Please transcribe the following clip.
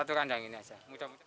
satu kandang ini saja